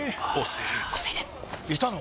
いたの？